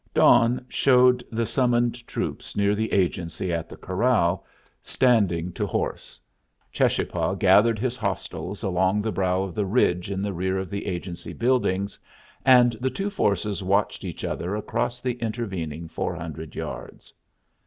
Dawn showed the summoned troops near the agency at the corral, standing to horse. Cheschapah gathered his hostiles along the brow of the ridge in the rear of the agency buildings, and the two forces watched each other across the intervening four hundred yards.